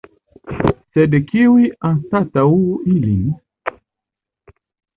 Sed kiuj anstataŭu ilin?